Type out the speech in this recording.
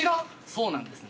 ◆そうなんですね。